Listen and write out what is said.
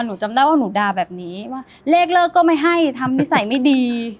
หนูจำได้ว่าหนูด่าแบบนี้ว่าเลขเลิกก็ไม่ให้ทำนิสัยไม่ดี